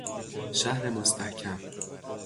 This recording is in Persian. شهر مستحکم